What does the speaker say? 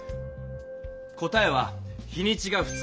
答えは日にちが２日。